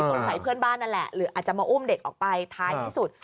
ใส่เพื่อนบ้านนั่นแหละหรืออาจจะมาอุ้มเด็กออกไปท้ายที่สุด